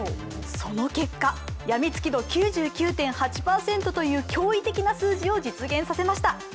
その結果、やみつき度９９．８％という驚異的な数字を実現させました。